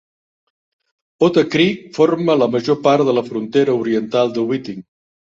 Otter Creek forma la major part de la frontera oriental de Whiting.